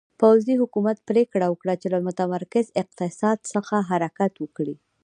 پوځي حکومت پرېکړه وکړه چې له متمرکز اقتصاد څخه حرکت وکړي.